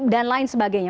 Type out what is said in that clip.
dan lain sebagainya